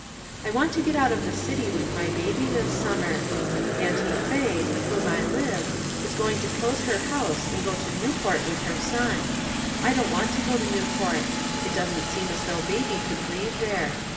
I want to get out of the city with my baby this summer. Auntie Faye, with whom I live, is going to close her house and go to Newport with her son. I don't want to go to Newport; it doesn't seem as though baby could breathe there.